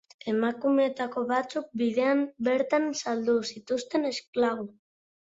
Emakumeetako batzuk bidean bertan saldu zituzten esklabo.